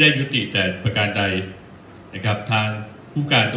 ได้ยุติแต่ประกาศใดนะครับทางสำหรับ